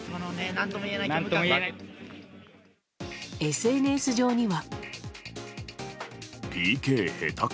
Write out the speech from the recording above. ＳＮＳ上には。